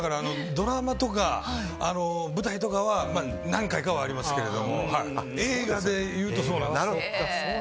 ドラマとか、舞台とかは何回かはありますけれども映画でいうとそうですね。